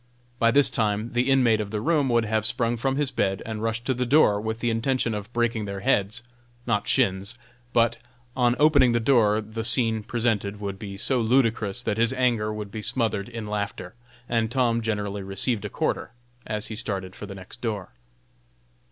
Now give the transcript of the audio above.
By this time the inmate of the room would have sprung from his bed, and rushed to the door, with the intention of breaking their heads not shins but, on opening the door, the scene presented would be so ludicrous that his anger would be smothered in laughter, and Tom generally received a quarter, as he started for the next door.